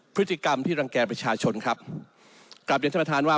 พฤติกรรมที่รังแก่ประชาชนครับกลับเรียนท่านประธานว่า